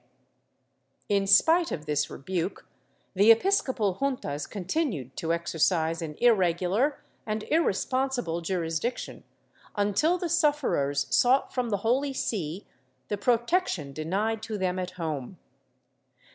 ^ In spite of this rebuke, the episcopal juntas continued to exercise an irregular and irresponsible jurisdiction, until the sufferers sought from the Holy See the protection denied to them at home.